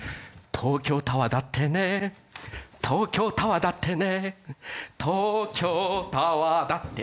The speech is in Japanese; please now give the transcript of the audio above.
東京タワーだってね東京タワーだってね